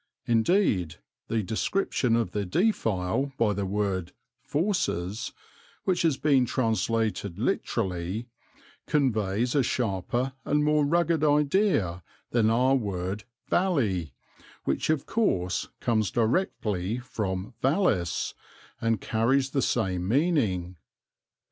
Indeed, the description of the defile by the word fauces (which has been translated literally) conveys a sharper and more rugged idea than our word "valley," which, of course, comes directly from vallis and carries the same meaning.